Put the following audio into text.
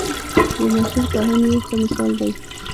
یو مشهور کاهن یې ښه مثال دی.